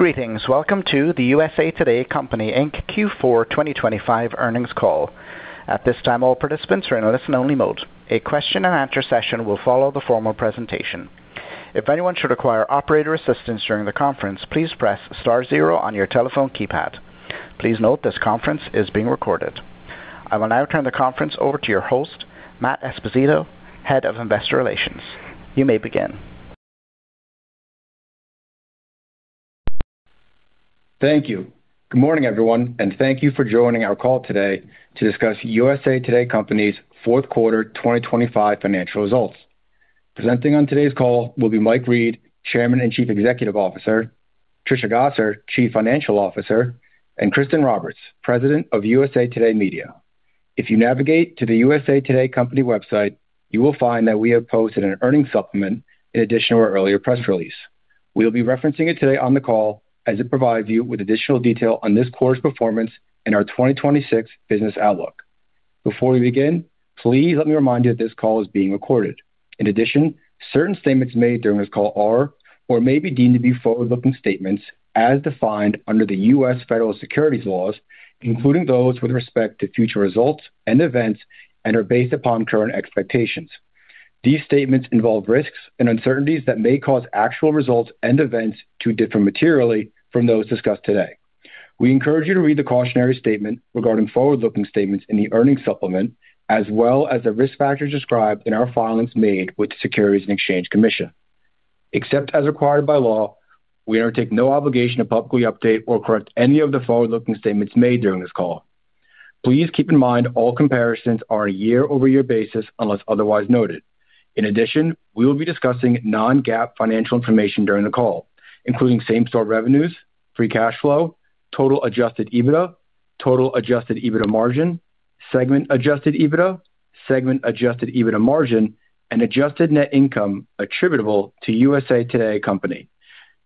Greetings! Welcome to the USA TODAY Co., Inc. Q4 2025 earnings call. At this time, all participants are in a listen-only mode. A question-and-answer session will follow the formal presentation. If anyone should require operator assistance during the conference, please press star zero on your telephone keypad. Please note, this conference is being recorded. I will now turn the conference over to your host, Matt Esposito, Head of Investor Relations. You may begin. Thank you. Good morning, everyone, and thank you for joining our call today to discuss USA TODAY Co.'s fourth quarter 2025 financial results. Presenting on today's call will be Mike Reed, Chairman and Chief Executive Officer, Trisha Gosser, Chief Financial Officer, and Kristin Roberts, President of USA TODAY Media. If you navigate to the USA TODAY Co. website, you will find that we have posted an earnings supplement in addition to our earlier press release. We'll be referencing it today on the call as it provides you with additional detail on this quarter's performance and our 2026 business outlook. Before we begin, please let me remind you that this call is being recorded. In addition, certain statements made during this call are or may be deemed to be forward-looking statements as defined under the U.S. federal securities laws, including those with respect to future results and events, and are based upon current expectations. These statements involve risks and uncertainties that may cause actual results and events to differ materially from those discussed today. We encourage you to read the cautionary statement regarding forward-looking statements in the earnings supplement, as well as the risk factors described in our filings made with the Securities and Exchange Commission. Except as required by law, we undertake no obligation to publicly update or correct any of the forward-looking statements made during this call. Please keep in mind all comparisons are a year-over-year basis unless otherwise noted. In addition, we will be discussing non-GAAP financial information during the call, including same-store revenues, free cash flow, total Adjusted EBITDA, total Adjusted EBITDA margin, segment Adjusted EBITDA, segment Adjusted EBITDA margin, and adjusted net income attributable to USA TODAY Co.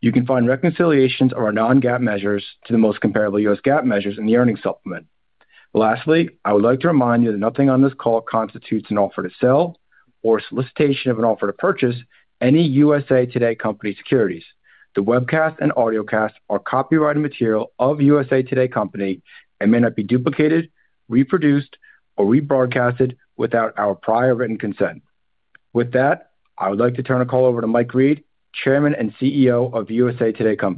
You can find reconciliations of our non-GAAP measures to the most comparable U.S. GAAP measures in the earnings supplement. Lastly, I would like to remind you that nothing on this call constitutes an offer to sell or a solicitation of an offer to purchase any USA TODAY Co. securities. The webcast and audiocast are copyrighted material of USA TODAY Co. and may not be duplicated, reproduced, or rebroadcasted without our prior written consent. I would like to turn the call over to Mike Reed, Chairman and CEO of USA TODAY Co.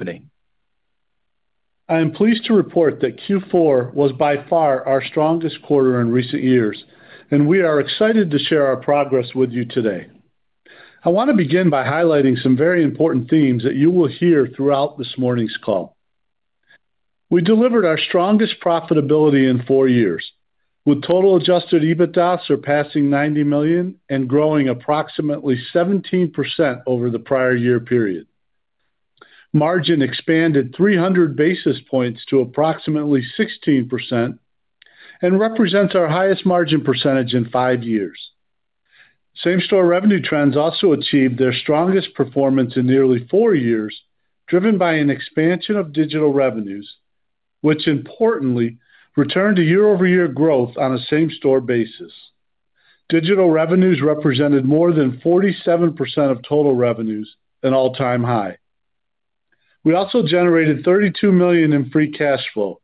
I am pleased to report that Q4 was by far our strongest quarter in recent years, and we are excited to share our progress with you today. I want to begin by highlighting some very important themes that you will hear throughout this morning's call. We delivered our strongest profitability in four years, with total Adjusted EBITDA surpassing $90 million and growing approximately 17% over the prior year period. Margin expanded 300 basis points to approximately 16% and represents our highest margin percentage in five years. Same-store revenue trends also achieved their strongest performance in nearly four years, driven by an expansion of digital revenues, which importantly returned to year-over-year growth on a same-store basis. Digital revenues represented more than 47% of total revenues, an all-time high. We also generated $32 million in free cash flow,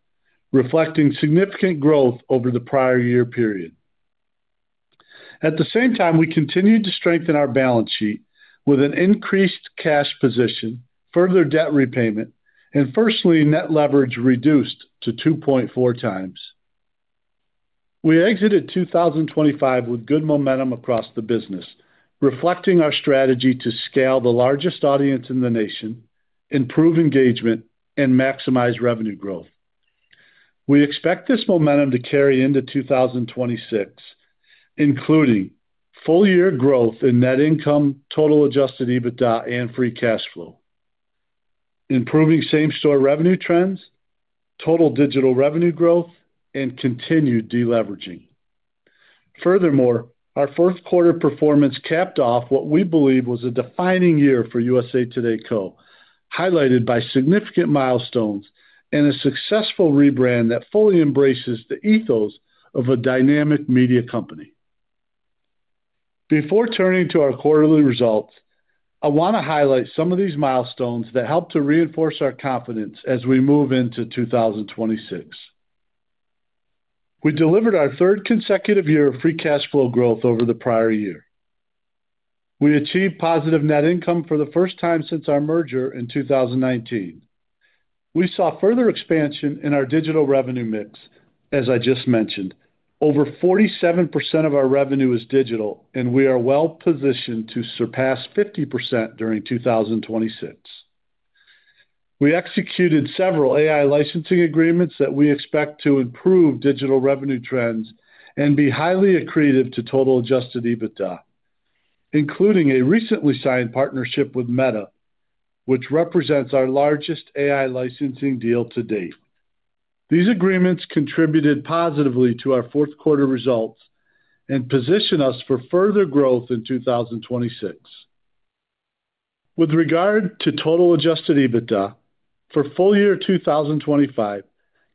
reflecting significant growth over the prior year period. At the same time, we continued to strengthen our balance sheet with an increased cash position, further debt repayment, and firstly, net leverage reduced to 2.4x. We exited 2025 with good momentum across the business, reflecting our strategy to scale the largest audience in the nation, improve engagement, and maximize revenue growth. We expect this momentum to carry into 2026, including full-year growth in net income, total Adjusted EBITDA, and free cash flow, improving same-store revenue trends, total digital revenue growth, and continued deleveraging. Furthermore, our fourth quarter performance capped off what we believe was a defining year for USA TODAY Co., highlighted by significant milestones and a successful rebrand that fully embraces the ethos of a dynamic media company. Before turning to our quarterly results, I want to highlight some of these milestones that help to reinforce our confidence as we move into 2026. We delivered our third consecutive year of free cash flow growth over the prior year. We achieved positive net income for the first time since our merger in 2019. We saw further expansion in our digital revenue mix, as I just mentioned. Over 47% of our revenue is digital, and we are well positioned to surpass 50% during 2026. We executed several AI licensing agreements that we expect to improve digital revenue trends and be highly accretive to total Adjusted EBITDA, including a recently signed partnership with Meta, which represents our largest AI licensing deal to date. These agreements contributed positively to our fourth quarter results and position us for further growth in 2026. With regard to total Adjusted EBITDA for full year 2025,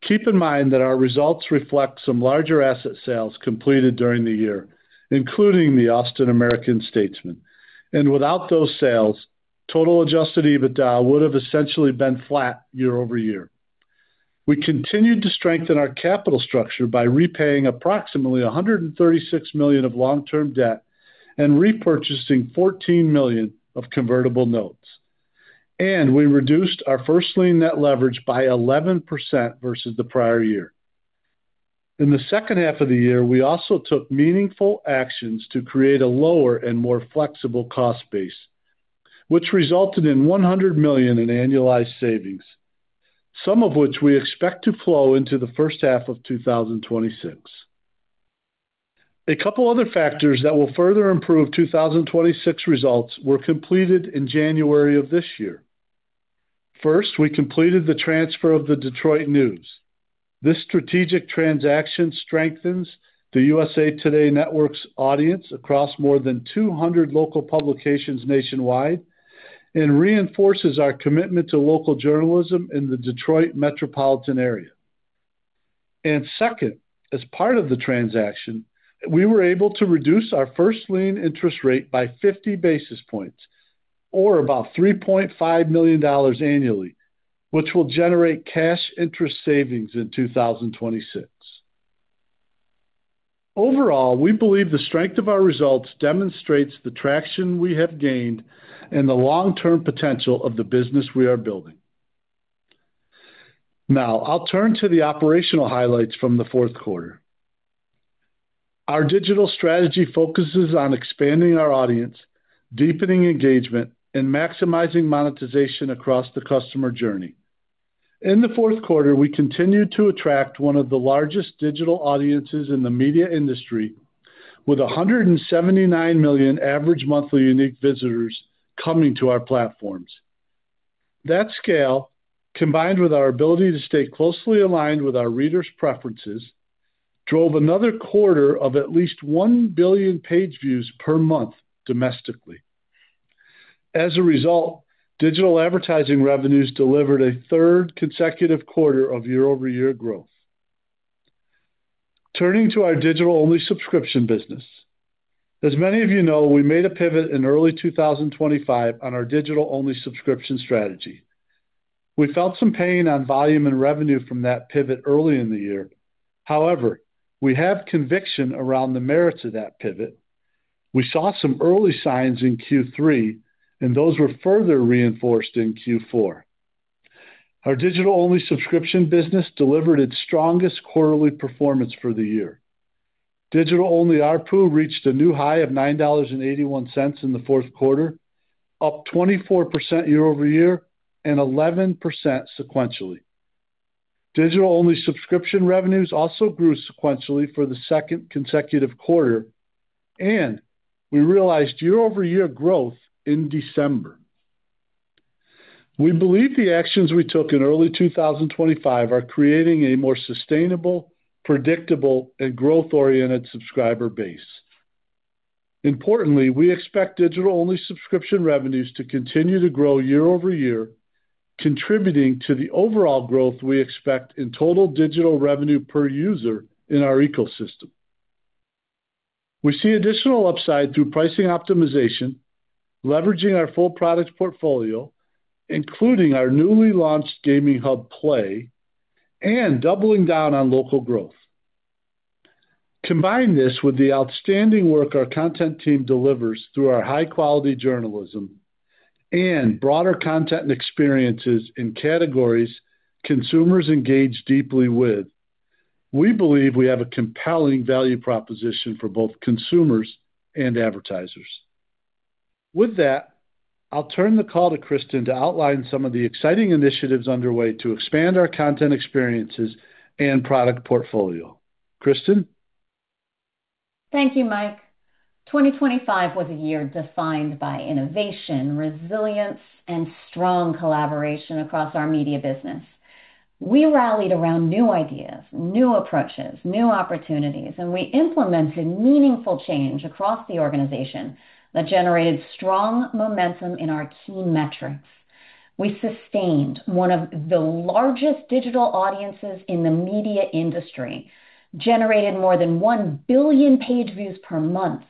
keep in mind that our results reflect some larger asset sales completed during the year, including the Austin American-Statesman. Without those sales, total Adjusted EBITDA would have essentially been flat year-over-year. We continued to strengthen our capital structure by repaying approximately $136 million of long-term debt and repurchasing $14 million of convertible notes. We reduced our First Lien Net Leverage by 11% versus the prior year. In the second half of the year, we also took meaningful actions to create a lower and more flexible cost base, which resulted in $100 million in annualized savings, some of which we expect to flow into the first half of 2026. A couple other factors that will further improve 2026 results were completed in January of this year. First, we completed the transfer of The Detroit News. This strategic transaction strengthens the USA TODAY Network's audience across more than 200 local publications nationwide and reinforces our commitment to local journalism in the Detroit metropolitan area. Second, as part of the transaction, we were able to reduce our first lien interest rate by 50 basis points, or about $3.5 million annually, which will generate cash interest savings in 2026. We believe the strength of our results demonstrates the traction we have gained and the long-term potential of the business we are building. I'll turn to the operational highlights from the fourth quarter. Our digital strategy focuses on expanding our audience, deepening engagement, and maximizing monetization across the customer journey. In the fourth quarter, we continued to attract one of the largest digital audiences in the media industry, with 179 million average monthly unique visitors coming to our platforms. That scale, combined with our ability to stay closely aligned with our readers' preferences, drove another quarter of at least 1 billion page views per month domestically. As a result, digital advertising revenues delivered a third consecutive quarter of year-over-year growth. Turning to our digital-only subscription business. As many of you know, we made a pivot in early 2025 on our digital-only subscription strategy. We felt some pain on volume and revenue from that pivot early in the year. However, we have conviction around the merits of that pivot. We saw some early signs in Q3, and those were further reinforced in Q4. Our digital-only subscription business delivered its strongest quarterly performance for the year. Digital-only ARPU reached a new high of $9.81 in the fourth quarter, up 24% year-over-year and 11% sequentially. Digital-only subscription revenues also grew sequentially for the second consecutive quarter, and we realized year-over-year growth in December. We believe the actions we took in early 2025 are creating a more sustainable, predictable, and growth-oriented subscriber base. Importantly, we expect digital-only subscription revenues to continue to grow year-over-year, contributing to the overall growth we expect in total digital revenue per user in our ecosystem. We see additional upside through pricing optimization, leveraging our full product portfolio, including our newly launched gaming hub, Play, and doubling down on local growth. Combine this with the outstanding work our content team delivers through our high-quality journalism and broader content and experiences in categories consumers engage deeply with, we believe we have a compelling value proposition for both consumers and advertisers. With that, I'll turn the call to Kristin to outline some of the exciting initiatives underway to expand our content experiences and product portfolio. Kristin? Thank you, Mike. 2025 was a year defined by innovation, resilience, and strong collaboration across our media business. We rallied around new ideas, new approaches, new opportunities, and we implemented meaningful change across the organization that generated strong momentum in our key metrics. We sustained one of the largest digital audiences in the media industry, generated more than 1 billion page views per month,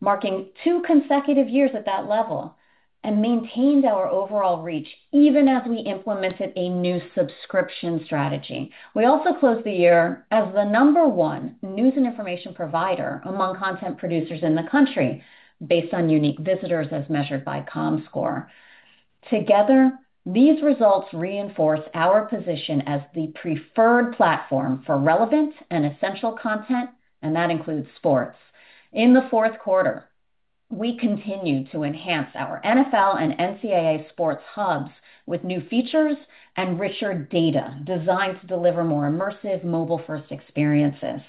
marking two consecutive years at that level, and maintained our overall reach even as we implemented a new subscription strategy. We also closed the year as the number one news and information provider among content producers in the country, based on unique visitors as measured by Comscore. Together, these results reinforce our position as the preferred platform for relevant and essential content, and that includes sports. In the fourth quarter, we continued to enhance our NFL and NCAA sports hubs with new features and richer data designed to deliver more immersive mobile-first experiences.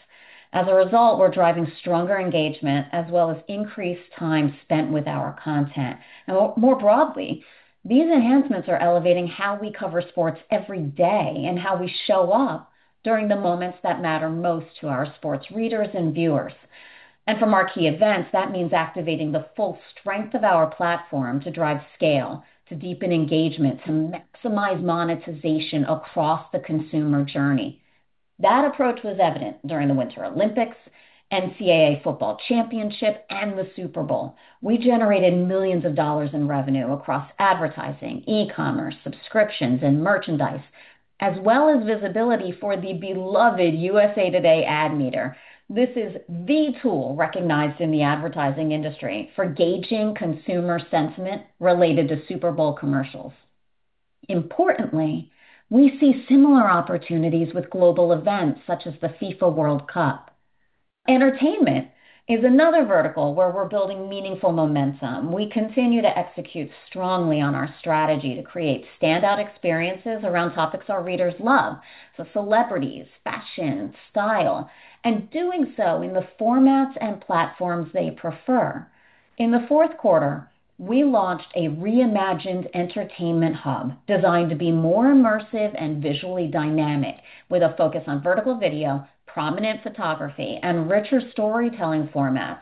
As a result, we're driving stronger engagement as well as increased time spent with our content. More broadly, these enhancements are elevating how we cover sports every day and how we show up during the moments that matter most to our sports readers and viewers. For marquee events, that means activating the full strength of our platform to drive scale, to deepen engagement, to maximize monetization across the consumer journey. That approach was evident during the Winter Olympics, NCAA Football Championship, and the Super Bowl. We generated millions of dollars in revenue across advertising, e-commerce, subscriptions, and merchandise, as well as visibility for the beloved USA TODAY Ad Meter. This is the tool recognized in the advertising industry for gauging consumer sentiment related to Super Bowl commercials. Importantly, we see similar opportunities with global events such as the FIFA World Cup. Entertainment is another vertical where we're building meaningful momentum. We continue to execute strongly on our strategy to create standout experiences around topics our readers love, so celebrities, fashion, style, and doing so in the formats and platforms they prefer. In the fourth quarter, we launched a reimagined entertainment hub designed to be more immersive and visually dynamic, with a focus on vertical video, prominent photography, and richer storytelling formats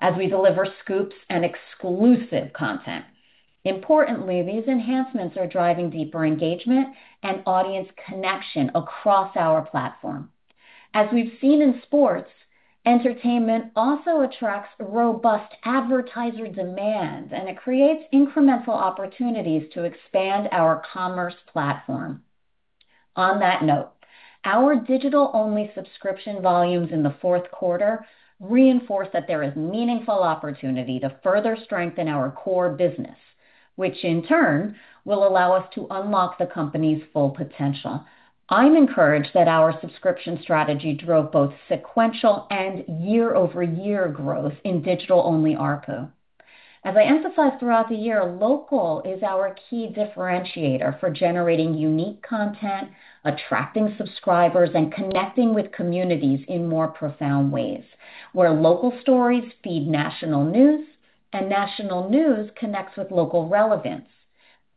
as we deliver scoops and exclusive content. Importantly, these enhancements are driving deeper engagement and audience connection across our platform. As we've seen in sports, entertainment also attracts robust advertiser demand, and it creates incremental opportunities to expand our commerce platform. On that note, our digital-only subscription volumes in the fourth quarter reinforce that there is meaningful opportunity to further strengthen our core business, which in turn will allow us to unlock the company's full potential. I'm encouraged that our subscription strategy drove both sequential and year-over-year growth in digital-only ARPU. As I emphasized throughout the year, local is our key differentiator for generating unique content, attracting subscribers, and connecting with communities in more profound ways, where local stories feed national news and national news connects with local relevance.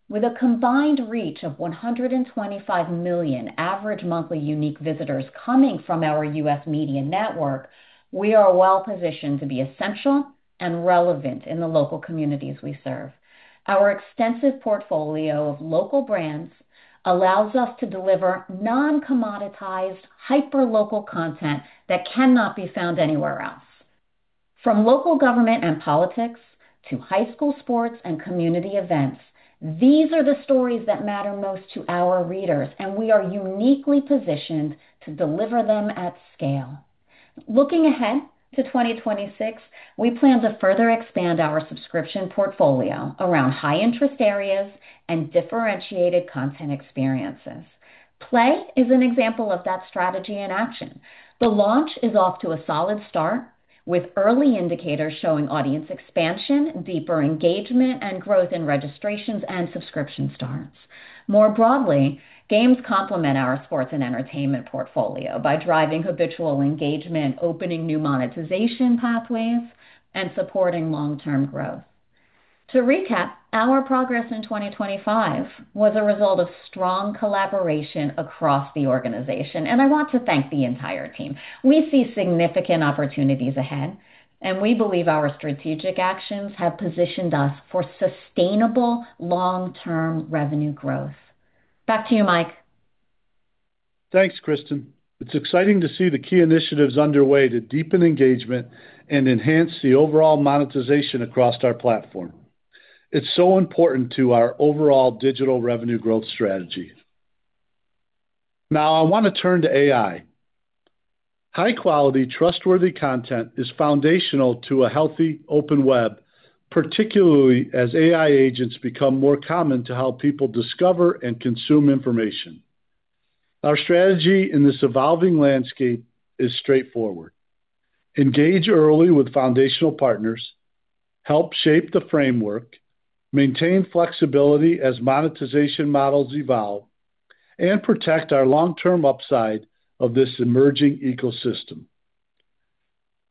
With a combined reach of 125 million average monthly unique visitors coming from our U.S. media network, we are well positioned to be essential and relevant in the local communities we serve. Our extensive portfolio of local brands allows us to deliver non-commoditized, hyper-local content that cannot be found anywhere else. From local government and politics to high school sports and community events, these are the stories that matter most to our readers, and we are uniquely positioned to deliver them at scale. Looking ahead to 2026, we plan to further expand our subscription portfolio around high-interest areas and differentiated content experiences. Play is an example of that strategy in action. The launch is off to a solid start, with early indicators showing audience expansion, deeper engagement, and growth in registrations and subscription starts. More broadly, games complement our sports and entertainment portfolio by driving habitual engagement, opening new monetization pathways, and supporting long-term growth. To recap, our progress in 2025 was a result of strong collaboration across the organization, and I want to thank the entire team. We see significant opportunities ahead, and we believe our strategic actions have positioned us for sustainable long-term revenue growth. Back to you, Mike. Thanks, Kristin. It's exciting to see the key initiatives underway to deepen engagement and enhance the overall monetization across our platform. It's so important to our overall digital revenue growth strategy. I want to turn to AI. High-quality, trustworthy content is foundational to a healthy open web, particularly as AI agents become more common to how people discover and consume information. Our strategy in this evolving landscape is straightforward: engage early with foundational partners, help shape the framework, maintain flexibility as monetization models evolve, and protect our long-term upside of this emerging ecosystem.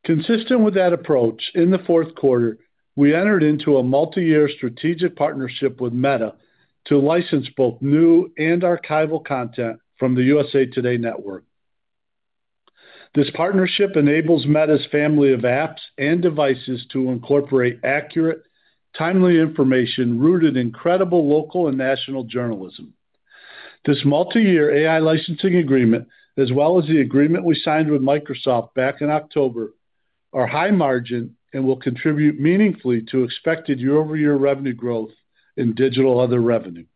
Consistent with that approach, in the fourth quarter, we entered into a multiyear strategic partnership with Meta to license both new and archival content from the USA TODAY Network. This partnership enables Meta's family of apps and devices to incorporate accurate, timely information rooted in credible local and national journalism. This multiyear AI licensing agreement, as well as the agreement we signed with Microsoft back in October, are high margin and will contribute meaningfully to expected year-over-year revenue growth in digital other revenue.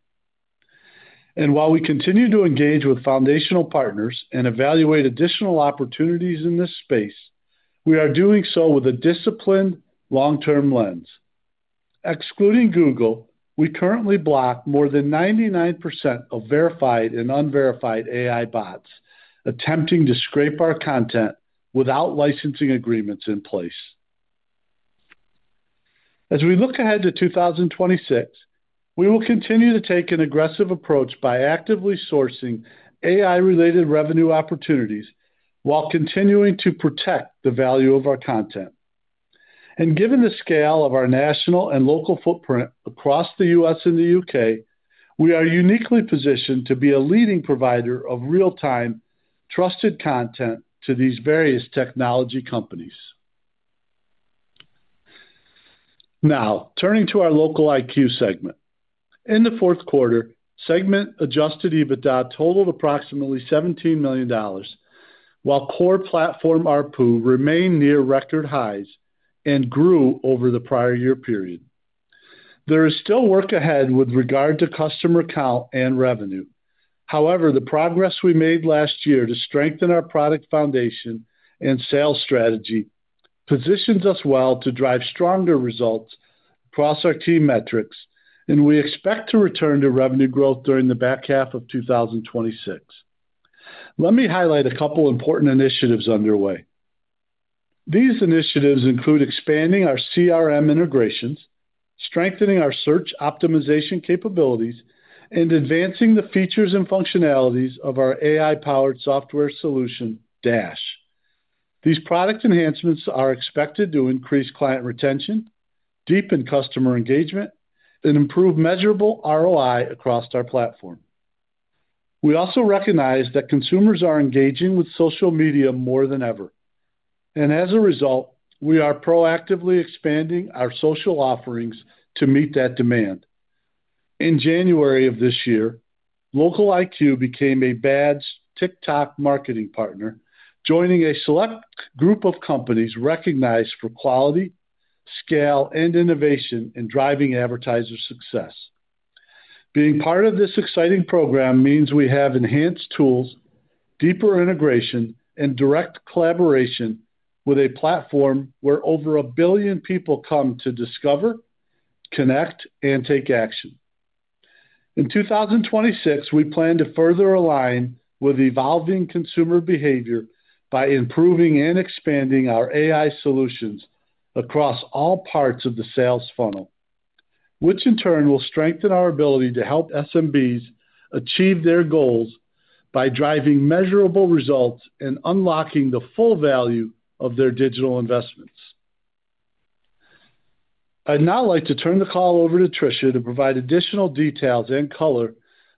While we continue to engage with foundational partners and evaluate additional opportunities in this space, we are doing so with a disciplined long-term lens. Excluding Google, we currently block more than 99% of verified and unverified AI bots attempting to scrape our content without licensing agreements in place. As we look ahead to 2026, we will continue to take an aggressive approach by actively sourcing AI-related revenue opportunities while continuing to protect the value of our content. Given the scale of our national and local footprint across the U.S. and the U.K., we are uniquely positioned to be a leading provider of real-time, trusted content to these various technology companies. Now, turning to our LocaliQ segment. In the fourth quarter, segment Adjusted EBITDA totaled approximately $17 million, while core platform ARPU remained near record highs and grew over the prior year period. There is still work ahead with regard to customer count and revenue. However, the progress we made last year to strengthen our product foundation and sales strategy positions us well to drive stronger results across our key metrics, and we expect to return to revenue growth during the back half of 2026. Let me highlight a couple of important initiatives underway. These initiatives include expanding our CRM integrations, strengthening our search optimization capabilities, and advancing the features and functionalities of our AI-powered software solution, Dash. These product enhancements are expected to increase client retention, deepen customer engagement, and improve measurable ROI across our platform. We also recognize that consumers are engaging with social media more than ever, and as a result, we are proactively expanding our social offerings to meet that demand. In January of this year, LocaliQ became a badged TikTok marketing partner, joining a select group of companies recognized for quality, scale, and innovation in driving advertiser success. Being part of this exciting program means we have enhanced tools, deeper integration, and direct collaboration with a platform where over 1 billion people come to discover, connect, and take action. In 2026, we plan to further align with evolving consumer behavior by improving and expanding our AI solutions across all parts of the sales funnel, which in turn will strengthen our ability to help SMBs achieve their goals by driving measurable results and unlocking the full value of their digital investments. I'd now like to turn the call over to Trisha to provide additional details and color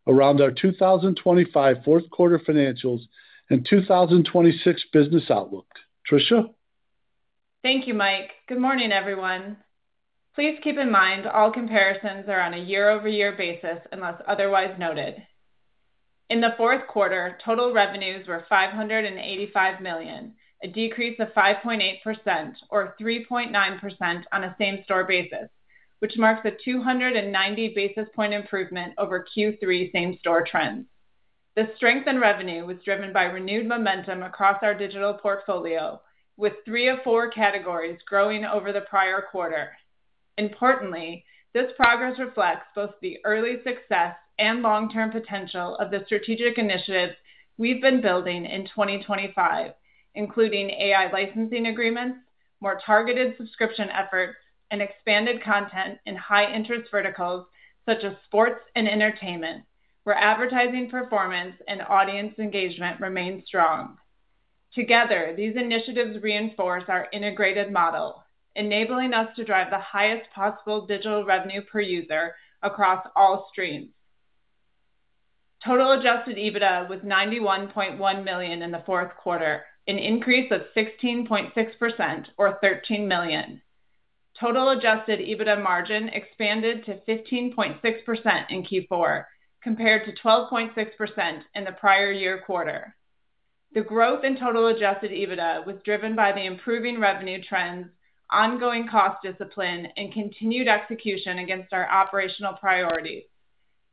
around our 2025 fourth quarter financials and 2026 business outlook. Trisha? Thank you, Mike. Good morning, everyone. Please keep in mind, all comparisons are on a year-over-year basis, unless otherwise noted. In the fourth quarter, total revenues were $585 million, a decrease of 5.8% or 3.9% on a same-store basis, which marks a 290 basis point improvement over Q3 same-store trends. The strength in revenue was driven by renewed momentum across our digital portfolio, with three of four categories growing over the prior quarter. Importantly, this progress reflects both the early success and long-term potential of the strategic initiatives we've been building in 2025, including AI licensing agreements, more targeted subscription efforts, and expanded content in high-interest verticals such as sports and entertainment, where advertising performance and audience engagement remain strong. Together, these initiatives reinforce our integrated model, enabling us to drive the highest possible digital revenue per user across all streams. Total Adjusted EBITDA was $91.1 million in the fourth quarter, an increase of 16.6% or $13 million. Total Adjusted EBITDA margin expanded to 15.6% in Q4, compared to 12.6% in the prior year quarter. The growth in total Adjusted EBITDA was driven by the improving revenue trends, ongoing cost discipline, and continued execution against our operational priorities.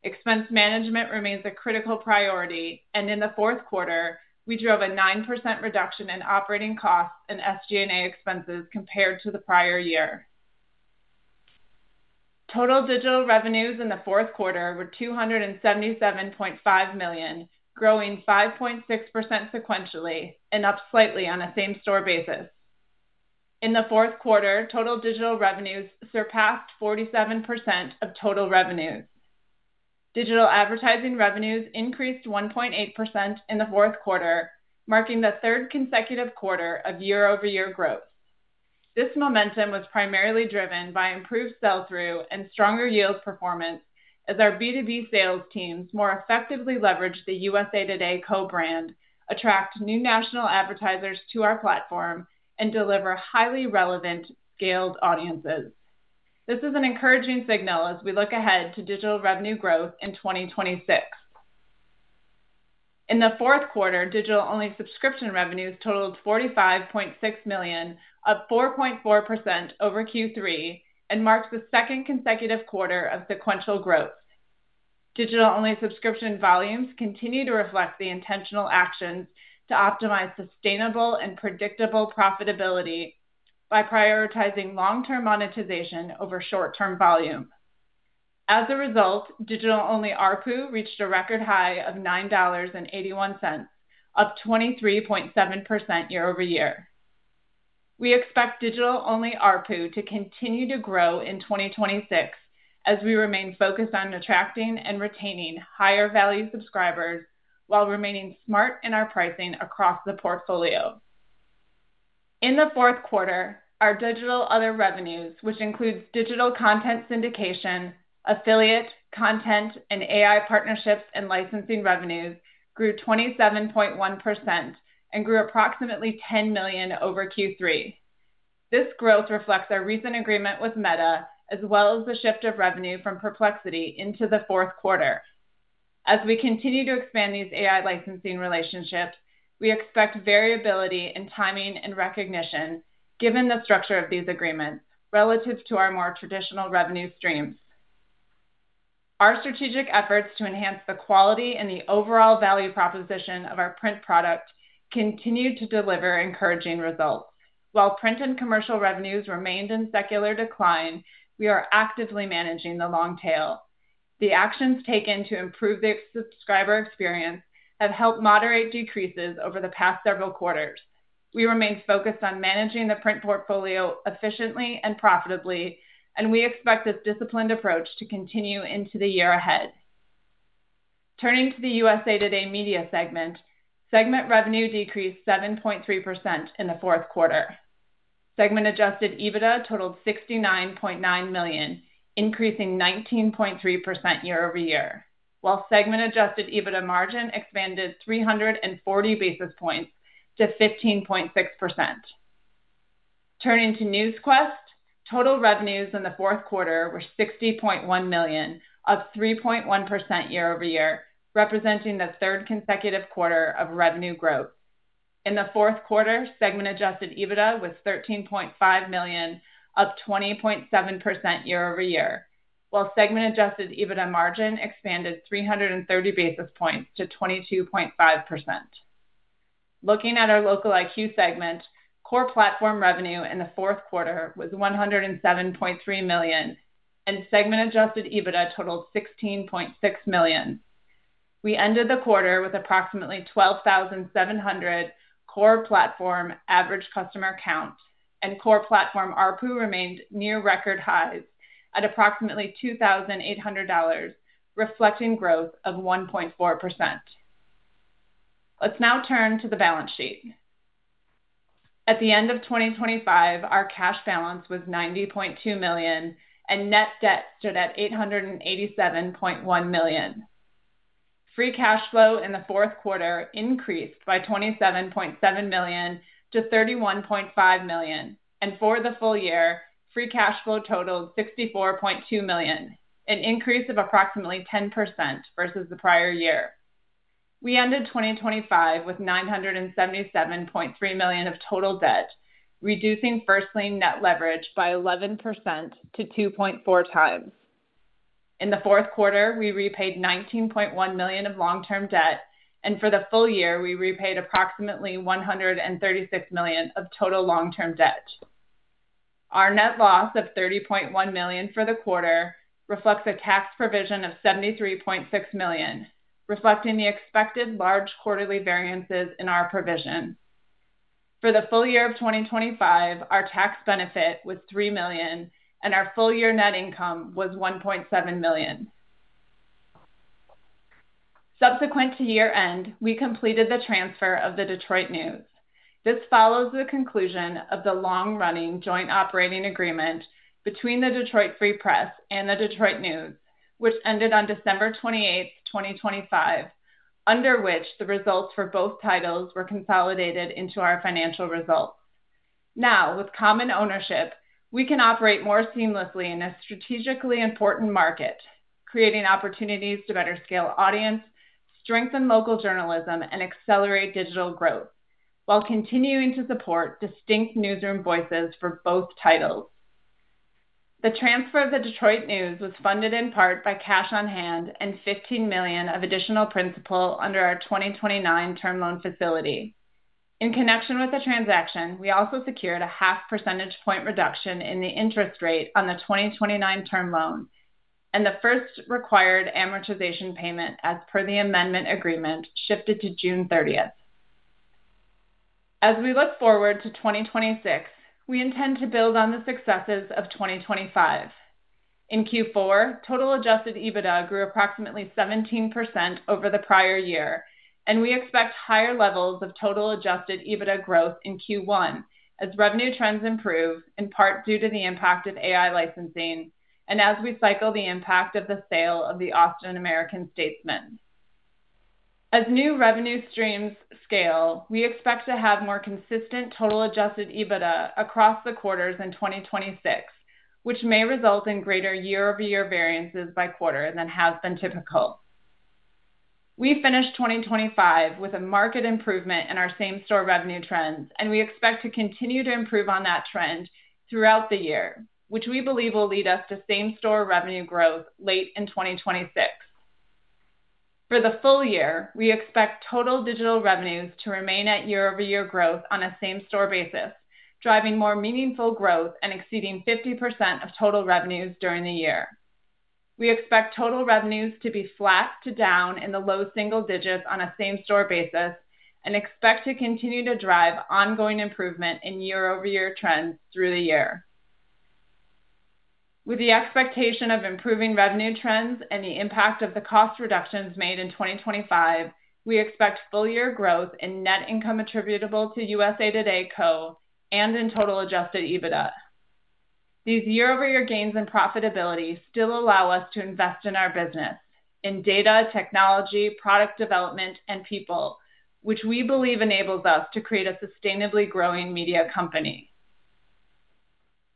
Expense management remains a critical priority, and in the fourth quarter, we drove a 9% reduction in operating costs and SG&A expenses compared to the prior year. Total digital revenues in the fourth quarter were $277.5 million, growing 5.6% sequentially and up slightly on a same-store basis. In the fourth quarter, total digital revenues surpassed 47% of total revenues. Digital advertising revenues increased 1.8% in the fourth quarter, marking the third consecutive quarter of year-over-year growth. This momentum was primarily driven by improved sell-through and stronger yield performance as our B2B sales teams more effectively leverage the USA TODAY co-brand, attract new national advertisers to our platform, and deliver highly relevant, scaled audiences. This is an encouraging signal as we look ahead to digital revenue growth in 2026. In the fourth quarter, digital-only subscription revenues totaled $45.6 million, up 4.4% over Q3, and marks the second consecutive quarter of sequential growth. Digital-only subscription volumes continue to reflect the intentional actions to optimize sustainable and predictable profitability by prioritizing long-term monetization over short-term volume. As a result, digital-only ARPU reached a record high of $9.81, up 23.7% year-over-year. We expect digital-only ARPU to continue to grow in 2026 as we remain focused on attracting and retaining higher value subscribers, while remaining smart in our pricing across the portfolio. In the fourth quarter, our digital other revenues, which includes digital content syndication, affiliate, content, and AI partnerships and licensing revenues, grew 27.1% and grew approximately $10 million over Q3. This growth reflects our recent agreement with Meta, as well as the shift of revenue from Perplexity into the fourth quarter. As we continue to expand these AI licensing relationships, we expect variability in timing and recognition, given the structure of these agreements relative to our more traditional revenue streams. Our strategic efforts to enhance the quality and the overall value proposition of our print product continued to deliver encouraging results. While print and commercial revenues remained in secular decline, we are actively managing the long tail. The actions taken to improve the subscriber experience have helped moderate decreases over the past several quarters. We remain focused on managing the print portfolio efficiently and profitably, and we expect this disciplined approach to continue into the year ahead. Turning to the USA TODAY Media segment revenue decreased 7.3% in the fourth quarter. Segment Adjusted EBITDA totaled $69.9 million, increasing 19.3% year-over-year, while segment adjusted EBITDA margin expanded 340 basis points to 15.6%. Turning to Newsquest, total revenues in the fourth quarter were 60.1 million, up 3.1% year-over-year, representing the third consecutive quarter of revenue growth. In the fourth quarter, segment Adjusted EBITDA was 13.5 million, up 20.7% year-over-year, while segment Adjusted EBITDA margin expanded 330 basis points to 22.5%. Looking at our LocaliQ segment, core platform revenue in the fourth quarter was $107.3 million, and segment Adjusted EBITDA totaled $16.6 million. We ended the quarter with approximately 12,700 core platform average customer count, and core platform ARPU remained near record highs at approximately $2,800, reflecting growth of 1.4%. Let's now turn to the balance sheet. At the end of 2025, our cash balance was $90.2 million, and net debt stood at $887.1 million. Free cash flow in the fourth quarter increased by $27.7 million to $31.5 million, and for the full year, free cash flow totaled $64.2 million, an increase of approximately 10% versus the prior year. We ended 2025 with $977.3 million of total debt, reducing First Lien Net Leverage by 11% to 2.4x. In the fourth quarter, we repaid $19.1 million of long-term debt, and for the full year, we repaid approximately $136 million of total long-term debt. Our net loss of $30.1 million for the quarter reflects a tax provision of $73.6 million, reflecting the expected large quarterly variances in our provision. For the full year of 2025, our tax benefit was $3 million, and our full year net income was $1.7 million. Subsequent to year-end, we completed the transfer of the Detroit News. This follows the conclusion of the long-running joint operating agreement between the Detroit Free Press and the Detroit News, which ended on December 28th, 2025, under which the results for both titles were consolidated into our financial results. Now, with common ownership, we can operate more seamlessly in a strategically important market, creating opportunities to better scale audience, strengthen local journalism, and accelerate digital growth while continuing to support distinct newsroom voices for both titles. The transfer of The Detroit News was funded in part by cash on hand and $15 million of additional principal under our 2029 Term Loan facility. In connection with the transaction, we also secured a half percentage point reduction in the interest rate on the 2029 Term Loan, and the first required amortization payment, as per the amendment agreement, shifted to June 30th. As we look forward to 2026, we intend to build on the successes of 2025. In Q4, total Adjusted EBITDA grew approximately 17% over the prior year, and we expect higher levels of total Adjusted EBITDA growth in Q1 as revenue trends improve, in part due to the impact of AI licensing, and as we cycle the impact of the sale of the Austin American-Statesman. As new revenue streams scale, we expect to have more consistent total Adjusted EBITDA across the quarters in 2026, which may result in greater year-over-year variances by quarter than has been typical. We finished 2025 with a market improvement in our same-store revenue trends, and we expect to continue to improve on that trend throughout the year, which we believe will lead us to same-store revenue growth late in 2026. For the full year, we expect total digital revenues to remain at year-over-year growth on a same-store basis, driving more meaningful growth and exceeding 50% of total revenues during the year. We expect total revenues to be flat to down in the low single digits on a same-store basis and expect to continue to drive ongoing improvement in year-over-year trends through the year. With the expectation of improving revenue trends and the impact of the cost reductions made in 2025, we expect full year growth in net income attributable to USA TODAY Co. and in total Adjusted EBITDA. These year-over-year gains in profitability still allow us to invest in our business, in data, technology, product development, and people, which we believe enables us to create a sustainably growing media company.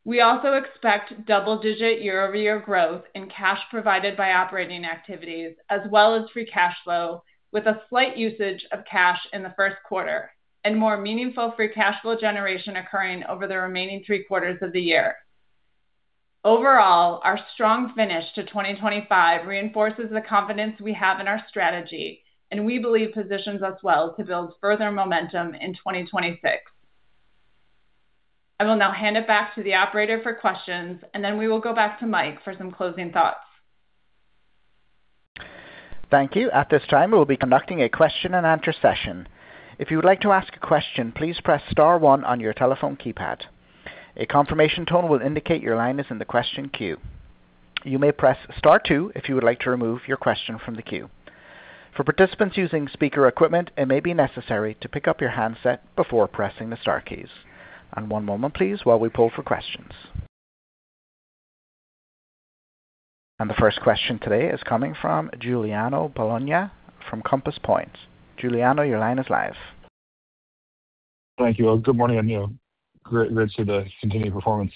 We also expect double-digit year-over-year growth in cash provided by operating activities as well as free cash flow, with a slight usage of cash in the first quarter and more meaningful free cash flow generation occurring over the remaining three quarters of the year. Overall, our strong finish to 2025 reinforces the confidence we have in our strategy and we believe positions us well to build further momentum in 2026. I will now hand it back to the operator for questions, and then we will go back to Mike for some closing thoughts. Thank you. At this time, we'll be conducting a question-and-answer session. If you would like to ask a question, please press star one on your telephone keypad. A confirmation tone will indicate your line is in the question queue. You may press star two if you would like to remove your question from the queue. For participants using speaker equipment, it may be necessary to pick up your handset before pressing the star keys. One moment, please, while we pull for questions. The first question today is coming from Giuliano Bologna from Compass Point. Giuliano, your line is live. Thank you. Good morning. You know, great to see the continued performance.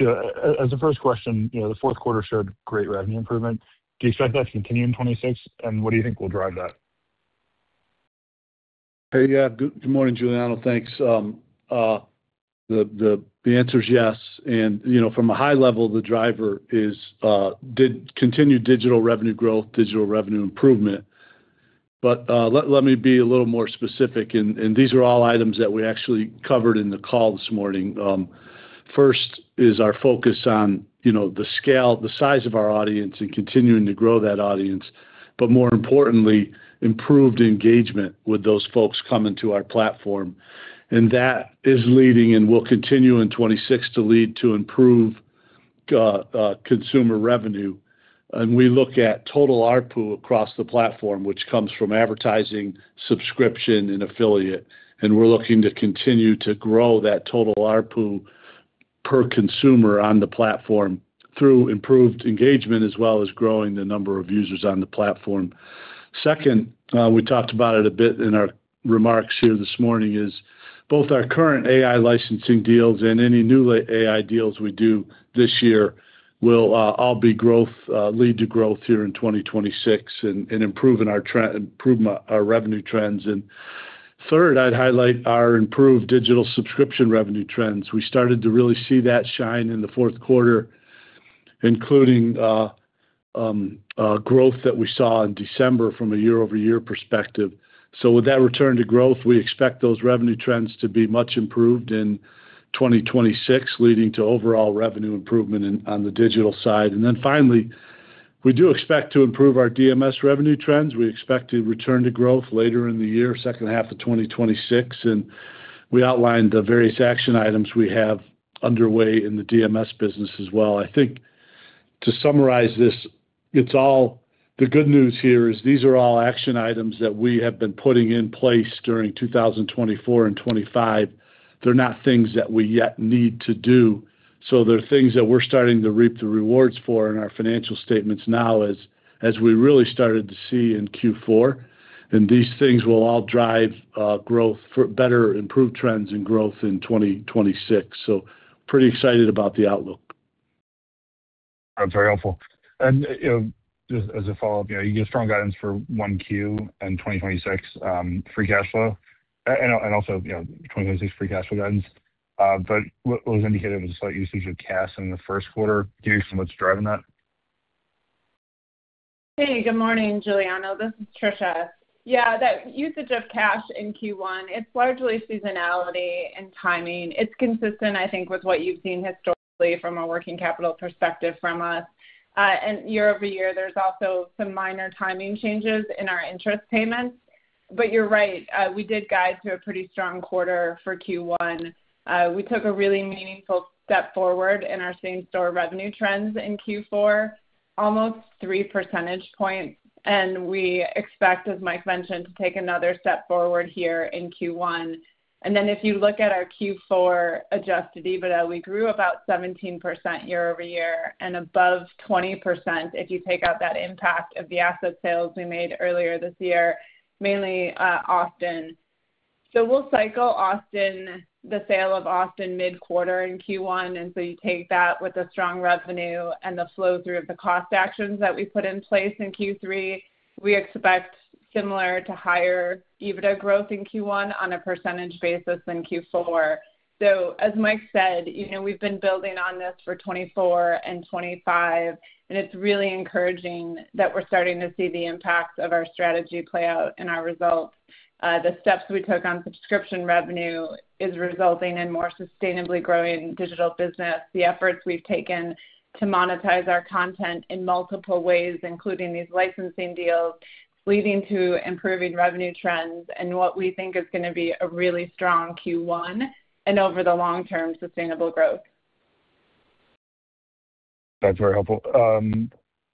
As a first question, you know, the fourth quarter showed great revenue improvement. Do you expect that to continue in 2026, and what do you think will drive that? Hey, yeah, good morning, Giuliano. Thanks. The answer is yes. You know, from a high level, the driver is continued digital revenue growth, digital revenue improvement. Let me be a little more specific, and these are all items that we actually covered in the call this morning. First is our focus on, you know, the scale, the size of our audience and continuing to grow that audience, but more importantly, improved engagement with those folks coming to our platform. That is leading and will continue in 2026 to lead to improve consumer revenue. We look at total ARPU across the platform, which comes from advertising, subscription, and affiliate, and we're looking to continue to grow that total ARPU per consumer on the platform through improved engagement as well as growing the number of users on the platform. Second, we talked about it a bit in our remarks here this morning, is both our current AI licensing deals and any new AI deals we do this year will all be growth, lead to growth here in 2026 and improving our revenue trends. Third, I'd highlight our improved digital subscription revenue trends. We started to really see that shine in the fourth quarter, including growth that we saw in December from a year-over-year perspective. With that return to growth, we expect those revenue trends to be much improved in 2026, leading to overall revenue improvement in, on the digital side. Finally, we do expect to improve our DMS revenue trends. We expect to return to growth later in the year, second half of 2026, and we outlined the various action items we have underway in the DMS business as well. I think to summarize this, it's all the good news here is these are all action items that we have been putting in place during 2024 and 2025. They're not things that we yet need to do. They're things that we're starting to reap the rewards for in our financial statements now, as we really started to see in Q4. These things will all drive growth for better improved trends and growth in 2026. Pretty excited about the outlook. That's very helpful. You know, just as a follow-up, you know, you get strong guidance for 1Q and 2026 free cash flow and also, you know, 2026 free cash flow guidance. What was indicated was slight usage of cash in the first quarter. Can you some what's driving that? Hey, good morning, Giuliano. This is Tricia. Yeah, that usage of cash in Q1, it's largely seasonality and timing. It's consistent, I think, with what you've seen historically from a working capital perspective from us. Year-over-year, there's also some minor timing changes in our interest payments. You're right, we did guide to a pretty strong quarter for Q1. We took a really meaningful step forward in our same-store revenue trends in Q4, almost 3 percentage points, and we expect, as Mike mentioned, to take another step forward here in Q1. If you look at our Q4 Adjusted EBITDA, we grew about 17% year-over-year and above 20% if you take out that impact of the asset sales we made earlier this year, mainly, Austin. We'll cycle Austin, the sale of Austin, mid-quarter in Q1. You take that with the strong revenue and the flow through of the cost actions that we put in place in Q3, we expect similar to higher EBITDA growth in Q1 on a percentage basis than Q4. As Mike said, you know, we've been building on this for 2024 and 2025, and it's really encouraging that we're starting to see the impacts of our strategy play out in our results. The steps we took on subscription revenue is resulting in more sustainably growing digital business. The efforts we've taken to monetize our content in multiple ways, including these licensing deals, leading to improving revenue trends and what we think is gonna be a really strong Q1 and over the long term, sustainable growth. That's very helpful.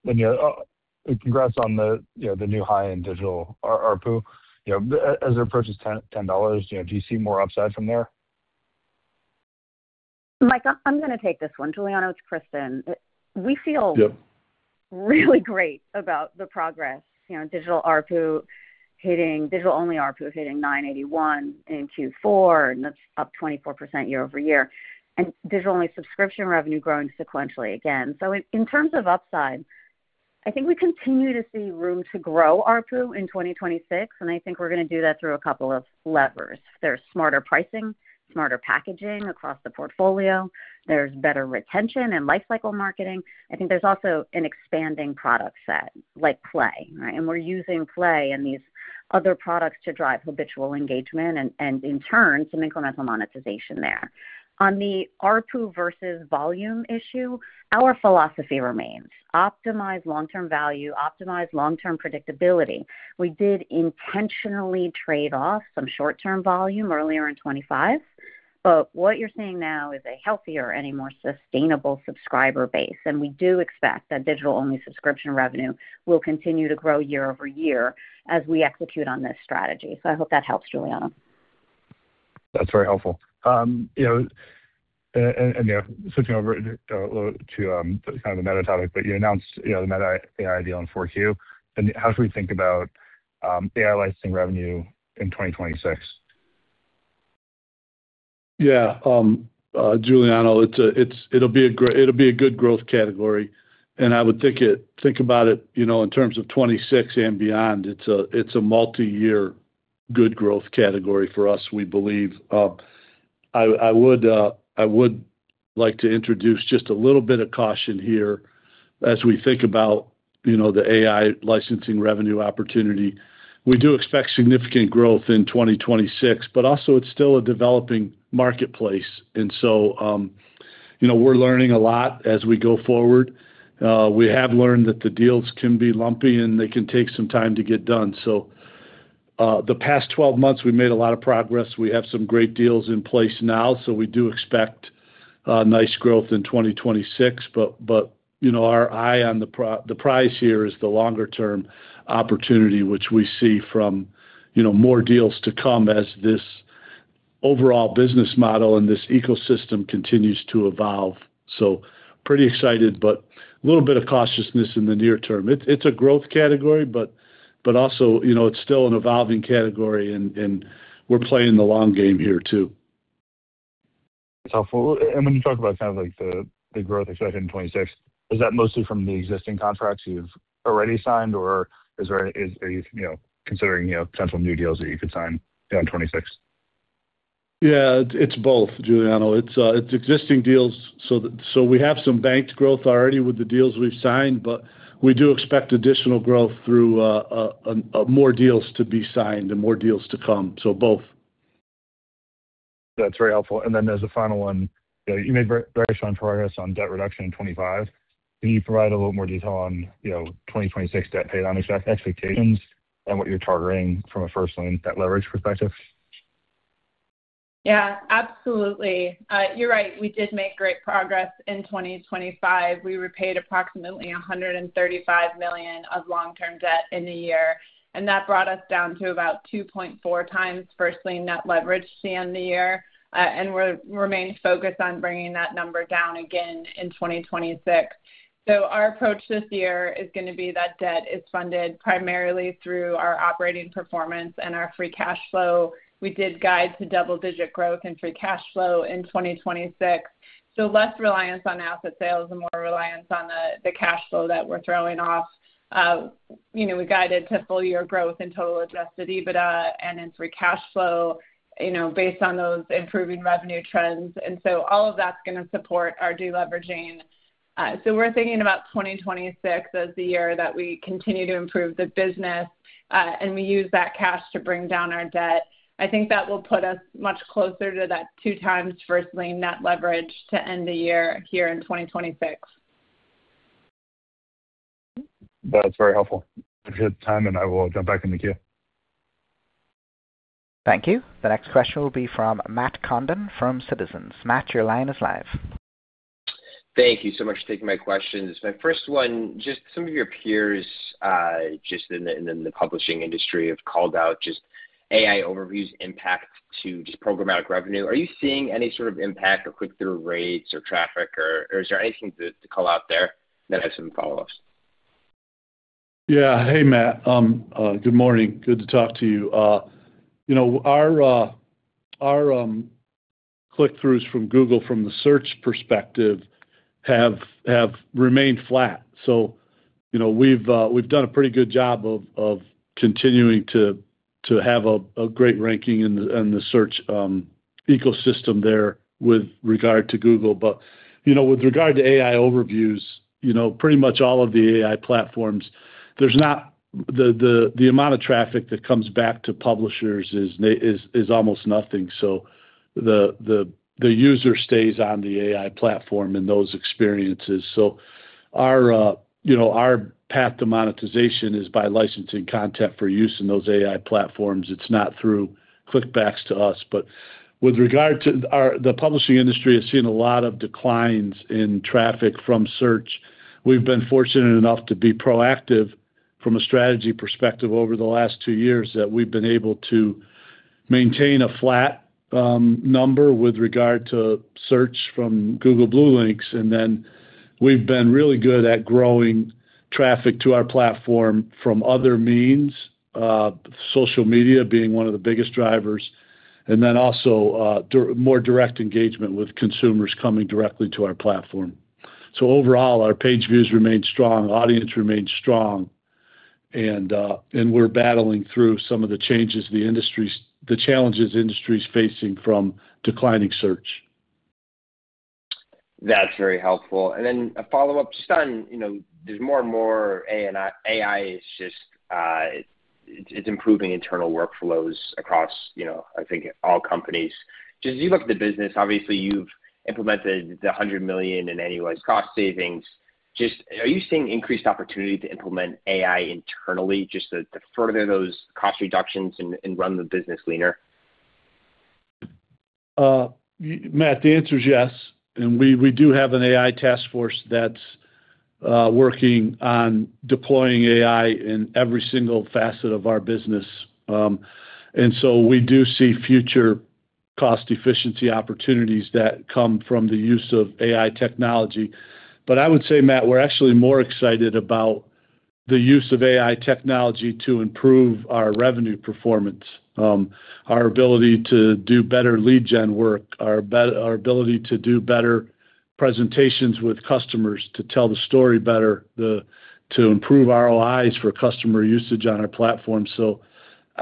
Yeah, congrats on the, you know, the new high-end digital ARPU. You know, as it approaches $10, you know, do you see more upside from there? Mike, I'm gonna take this one. Giuliano, it's Kristin. Yep. We feel really great about the progress. You know, digital-only ARPU hitting $9.81 in Q4, and that's up 24% year-over-year, and digital-only subscription revenue growing sequentially again. In terms of upside, I think we continue to see room to grow ARPU in 2026, and I think we're gonna do that through a couple of levers. There's smarter pricing, smarter packaging across the portfolio. There's better retention and lifecycle marketing. I think there's also an expanding product set, like Play, right? We're using Play and these other products to drive habitual engagement and in turn, some incremental monetization there. On the ARPU versus volume issue, our philosophy remains: optimize long-term value, optimize long-term predictability. We did intentionally trade off some short-term volume earlier in 2025, but what you're seeing now is a healthier and a more sustainable subscriber base, and we do expect that digital-only subscription revenue will continue to grow year-over-year as we execute on this strategy. I hope that helps, Giuliano. That's very helpful. You know, and, you know, switching over to, kind of the Meta topic, but you announced, you know, the Meta AI deal in 4Q. How should we think about AI licensing revenue in 2026? Giuliano, it'll be a good growth category, and I would think about it, you know, in terms of 2026 and beyond. It's a, it's a multiyear good growth category for us, we believe. I would like to introduce just a little bit of caution here as we think about, you know, the AI licensing revenue opportunity. We do expect significant growth in 2026, but also it's still a developing marketplace. We're learning a lot as we go forward. We have learned that the deals can be lumpy, and they can take some time to get done. The past 12 months, we've made a lot of progress. We have some great deals in place now, we do expect nice growth in 2026, but, you know, our eye on the prize here is the longer-term opportunity, which we see from, you know, more deals to come as this overall business model and this ecosystem continues to evolve. Pretty excited, but a little bit of cautiousness in the near term. It's a growth category, but also, you know, it's still an evolving category, and we're playing the long game here, too. It's helpful. When you talk about kind of like the growth expected in 2026, is that mostly from the existing contracts you've already signed, or is, are you know, considering, you know, potential new deals that you could sign down in 2026? Yeah, it's both, Giuliano. It's, it's existing deals, so we have some banked growth already with the deals we've signed, but we do expect additional growth through more deals to be signed and more deals to come. Both. That's very helpful. There's a final one. You made very strong progress on debt reduction in 2025. Can you provide a little more detail on, you know, 2026 debt paydown expectations and what you're targeting from a First Lien Net Leverage perspective? Yeah, absolutely. You're right, we did make great progress in 2025. We repaid approximately $135 million of long-term debt in the year. That brought us down to about 2.4x First Lien Net Leverage at the end of the year. We're remaining focused on bringing that number down again in 2026. Our approach this year is going to be that debt is funded primarily through our operating performance and our free cash flow. We did guide to double-digit growth in free cash flow in 2026. Less reliance on asset sales and more reliance on the cash flow that we're throwing off. You know, we guided to full year growth in total Adjusted EBITDA and in free cash flow, you know, based on those improving revenue trends. All of that's going to support our deleveraging. We're thinking about 2026 as the year that we continue to improve the business, and we use that cash to bring down our debt. I think that will put us much closer to that 2x First Lien Net Leverage to end the year here in 2026. That's very helpful. I've hit time, and I will jump back in the queue. Thank you. The next question will be from Matt Condon from Citizens. Matt, your line is live. Thank you so much for taking my questions. My first one, just some of your peers, just in the publishing industry have called out just AI Overviews impact to just programmatic revenue. Are you seeing any sort of impact or click-through rates or traffic or, is there anything to call out there? I have some follow-ups. Hey, Matt, good morning. Good to talk to you. You know, our click-throughs from Google from the search perspective have remained flat. You know, we've done a pretty good job of continuing to have a great ranking in the search ecosystem there with regard to Google. You know, with regard to AI Overviews, you know, pretty much all of the AI platforms, there's not... The amount of traffic that comes back to publishers is almost nothing. The user stays on the AI platform and those experiences. You know, our path to monetization is by licensing content for use in those AI platforms. It's not through clickbacks to us. With regard to the publishing industry has seen a lot of declines in traffic from search. We've been fortunate enough to be proactive from a strategy perspective over the last two years, that we've been able to maintain a flat number with regard to search from Google blue links, and then we've been really good at growing traffic to our platform from other means, social media being one of the biggest drivers, and then also, more direct engagement with consumers coming directly to our platform. Overall, our page views remain strong, audience remains strong, and we're battling through some of the changes the challenges the industry is facing from declining search. That's very helpful. A follow-up, Stan, you know, there's more and more AI is just, it's improving internal workflows across, you know, I think all companies. As you look at the business, obviously, you've implemented the $100 million in annual cost savings. Just, are you seeing increased opportunity to implement AI internally, just to further those cost reductions and run the business leaner? Matt, the answer is yes. We, we do have an AI task force that's working on deploying AI in every single facet of our business. We do see future cost efficiency opportunities that come from the use of AI technology. I would say, Matt, we're actually more excited about the use of AI technology to improve our revenue performance, our ability to do better lead gen work, our ability to do better presentations with customers, to tell the story better, to improve ROIs for customer usage on our platform.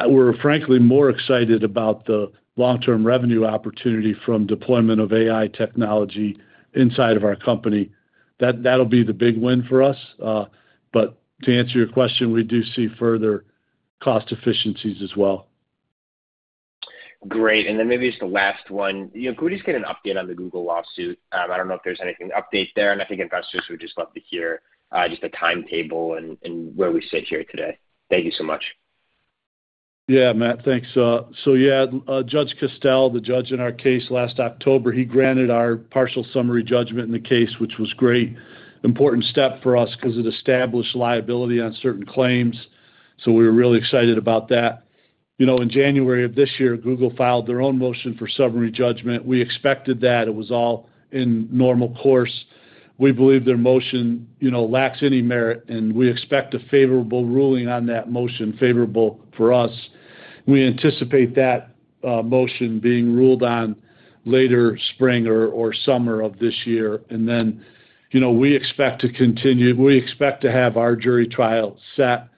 We're frankly more excited about the long-term revenue opportunity from deployment of AI technology inside of our company. That'll be the big win for us, but to answer your question, we do see further cost efficiencies as well. Great, maybe just the last one, you know, could we just get an update on the Google lawsuit? I don't know if there's anything to update there, I think investors would just love to hear, just a timetable and where we sit here today. Thank you so much. Yeah, Matt, thanks. Yeah, Judge Castel, the Judge in our case last October, he granted our partial summary judgment in the case, which was great. Important step for us because it established liability on certain claims. We were really excited about that. You know, in January of this year, Google filed their own motion for summary judgment. We expected that. It was all in normal course. We believe their motion, you know, lacks any merit. We expect a favorable ruling on that motion, favorable for us. We anticipate that motion being ruled on later spring or summer of this year. You know, we expect to have our jury trial set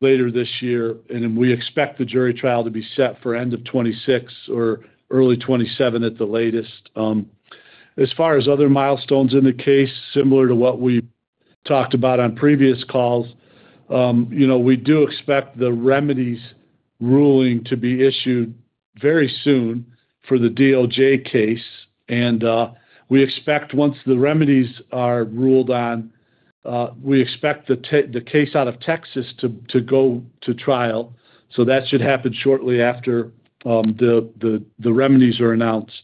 later this year. We expect the jury trial to be set for end of 2026 or early 2027 at the latest. As far as other milestones in the case, similar to what we talked about on previous calls, you know, we do expect the remedies ruling to be issued very soon for the DOJ case. We expect once the remedies are ruled on, we expect the case out of Texas to go to trial. That should happen shortly after the remedies are announced.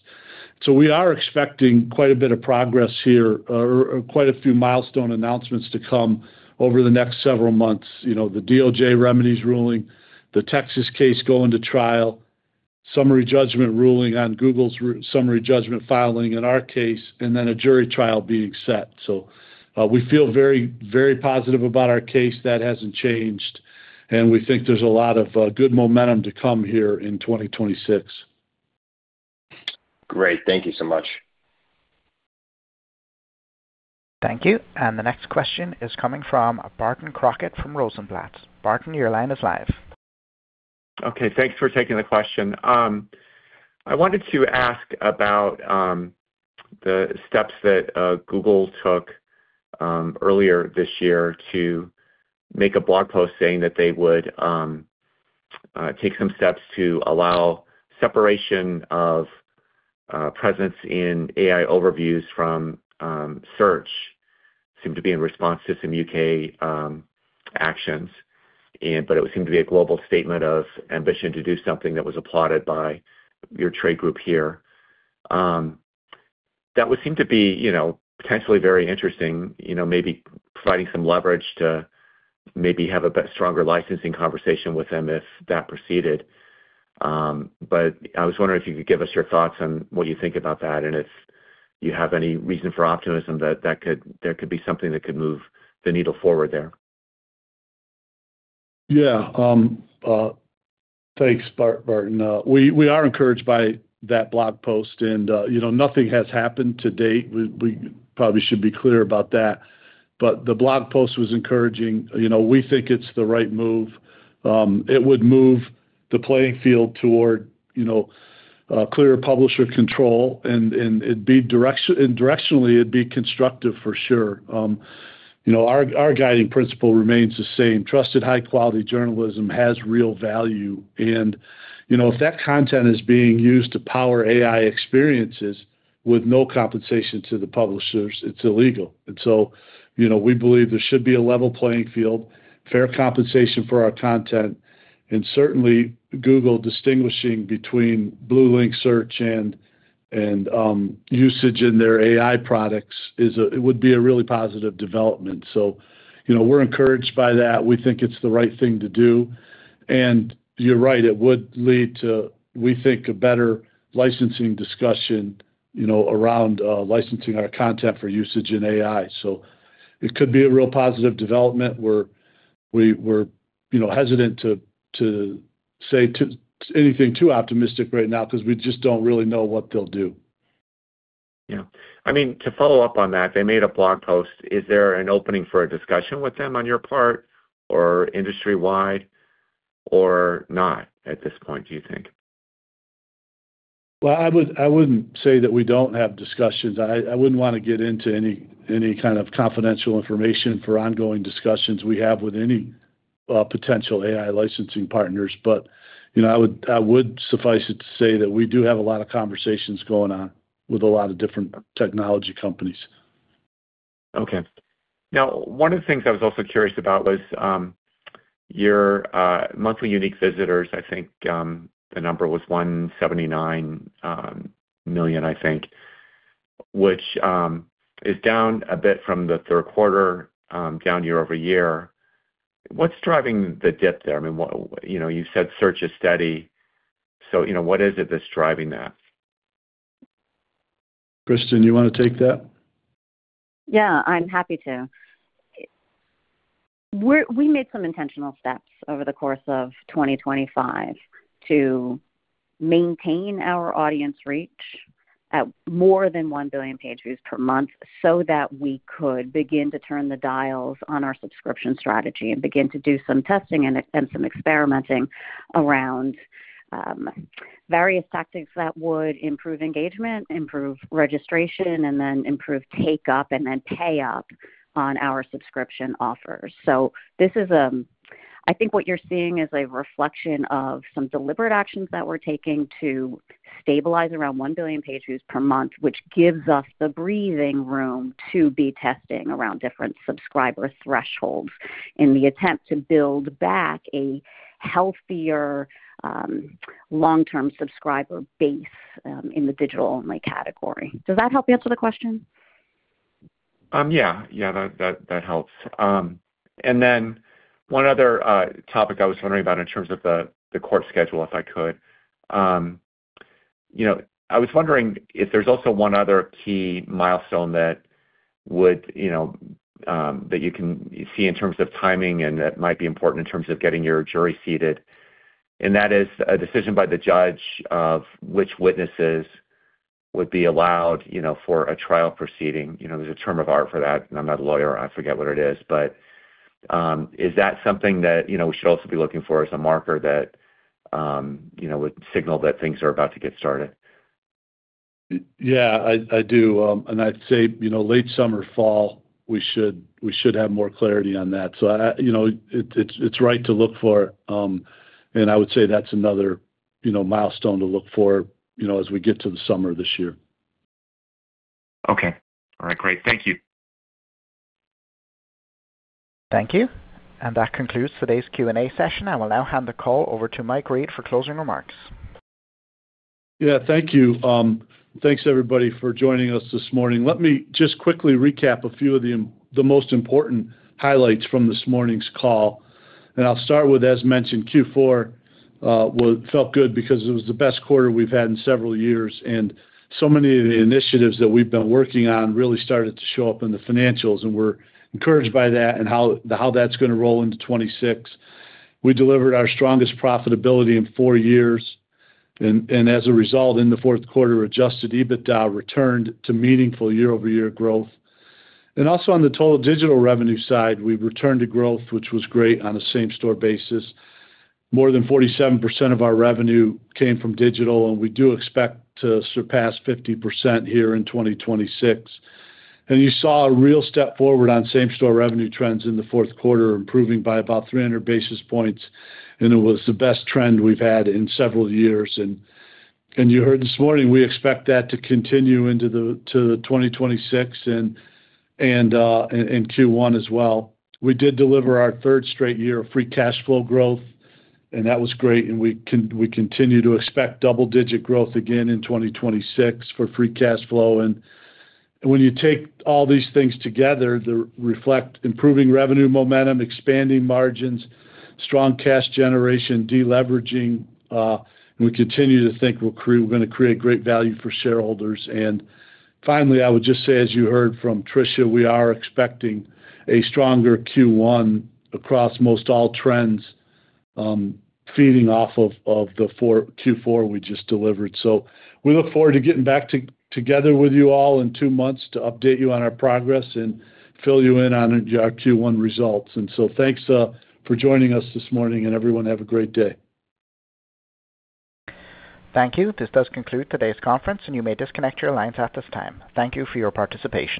We are expecting quite a bit of progress here, or quite a few milestone announcements to come over the next several months. You know, the DOJ remedies ruling, the Texas case going to trial, summary judgment ruling on Google's summary judgment filing in our case, and then a jury trial being set. We feel very, very positive about our case. That hasn't changed, and we think there's a lot of good momentum to come here in 2026. Great. Thank you so much. Thank you. The next question is coming from Barton Crockett from Rosenblatt. Barton, your line is live. Okay, thanks for taking the question. I wanted to ask about the steps that Google took earlier this year to make a blog post saying that they would take some steps to allow separation of presence in AI Overviews from search. Seemed to be in response to some U.K. actions, but it seemed to be a global statement of ambition to do something that was applauded by your trade group here. That would seem to be, you know, potentially very interesting, you know, maybe providing some leverage to maybe have a bit stronger licensing conversation with them if that proceeded. I was wondering if you could give us your thoughts on what you think about that, and if you have any reason for optimism, that could be something that could move the needle forward there. Yeah, thanks, Barton. We, we are encouraged by that blog post, and, you know, nothing has happened to date. We, we probably should be clear about that. But the blog post was encouraging. You know, we think it's the right move. It would move the playing field toward, you know, clearer publisher control, and directionally, it'd be constructive for sure. You know, our guiding principle remains the same: trusted, high-quality journalism has real value, and, you know, if that content is being used to power AI experiences with no compensation to the publishers, it's illegal. You know, we believe there should be a level playing field, fair compensation for our content, and certainly Google distinguishing between blue link search and usage in their AI products is it would be a really positive development. You know, we're encouraged by that. We think it's the right thing to do. You're right, it would lead to, we think, a better licensing discussion, you know, around licensing our content for usage in AI. It could be a real positive development. We're, you know, hesitant to say anything too optimistic right now because we just don't really know what they'll do. Yeah. I mean, to follow up on that, they made a blog post. Is there an opening for a discussion with them on your part or industry-wide or not at this point, do you think? I wouldn't say that we don't have discussions. I wouldn't wanna get into any kind of confidential information for ongoing discussions we have with any potential AI licensing partners. You know, I would suffice it to say that we do have a lot of conversations going on with a lot of different technology companies. Okay. One of the things I was also curious about was your monthly unique visitors. I think the number was 179 million, I think, which is down a bit from the third quarter, down year-over-year. What's driving the dip there? You know, you said search is steady, you know, what is it that's driving that? Kristin, you wanna take that? Yeah, I'm happy to. We made some intentional steps over the course of 2025 to maintain our audience reach at more than 1 billion page views per month, so that we could begin to turn the dials on our subscription strategy and begin to do some testing and some experimenting around various tactics that would improve engagement, improve registration, and then improve take-up and then pay-up on our subscription offers. This is, I think what you're seeing is a reflection of some deliberate actions that we're taking to stabilize around 1 billion page views per month, which gives us the breathing room to be testing around different subscriber thresholds in the attempt to build back a healthier, long-term subscriber base in the digital-only category. Does that help answer the question? Yeah, that helps. One other topic I was wondering about in terms of the court schedule, if I could. You know, I was wondering if there's also one other key milestone that would, you know, that you can see in terms of timing and that might be important in terms of getting your jury seated, and that is a decision by the Judge of which witnesses would be allowed, you know, for a trial proceeding. You know, there's a term of art for that, and I'm not a lawyer, I forget what it is. Is that something that, you know, we should also be looking for as a marker that, you know, would signal that things are about to get started? Yeah, I do. I'd say, you know, late summer, fall, we should have more clarity on that. You know, it's right to look for. I would say that's another, you know, milestone to look for, you know, as we get to the summer this year. Okay. All right, great. Thank you. Thank you. That concludes today's Q&A session. I will now hand the call over to Mike Reed for closing remarks. Thanks, everybody, for joining us this morning. Let me just quickly recap a few of the most important highlights from this morning's call. I'll start with, as mentioned, Q4, well, it felt good because it was the best quarter we've had in several years, and so many of the initiatives that we've been working on really started to show up in the financials, and we're encouraged by that and how that's gonna roll into 2026. We delivered our strongest profitability in 4 years, and as a result, in the fourth quarter, Adjusted EBITDA returned to meaningful year-over-year growth. Also on the total digital revenue side, we returned to growth, which was great on a same-store basis. More than 47% of our revenue came from digital, and we do expect to surpass 50% here in 2026. You saw a real step forward on same-store revenue trends in the fourth quarter, improving by about 300 basis points, and it was the best trend we've had in several years. You heard this morning, we expect that to continue into the 2026 and Q1 as well. We did deliver our third straight year of free cash flow growth, and that was great, and we continue to expect double-digit growth again in 2026 for free cash flow. When you take all these things together, they reflect improving revenue momentum, expanding margins, strong cash generation, deleveraging, and we continue to think we're gonna create great value for shareholders. Finally, I would just say, as you heard from Trisha, we are expecting a stronger Q1 across most all trends, feeding off of the Q4 we just delivered. So we look forward to getting together with you all in two months to update you on our progress and fill you in on our Q1 results. Thanks for joining us this morning, and everyone, have a great day. Thank you. This does conclude today's conference, and you may disconnect your lines at this time. Thank you for your participation.